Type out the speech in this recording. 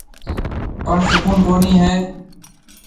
پڻ سُڪوُن ڪونِي هيَ۔